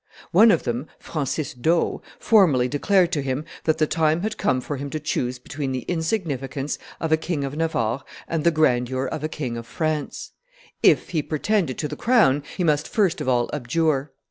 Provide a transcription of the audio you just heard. One of them, Francis d'O, formally declared to him that the time had come for him to choose between the insignificance of a King of Navarre and the grandeur of a King of France; if he pretended to the crown, he must first of all abjure.